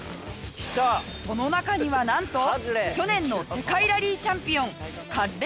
その中にはなんと去年の世界ラリーチャンピオンカッレ・ロバンペラの姿も。